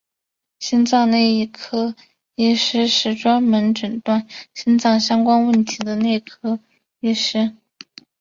心脏内科医师是专门诊断心脏相关问题的内科医师。